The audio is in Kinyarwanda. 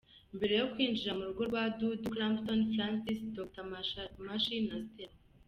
Mbere yo kwinjira mu rugo kwa Dudu: Clapton, Francis, Dr Mashi na Stella.